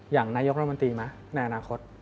อย่างนายกรมนตรีมาในอนาคต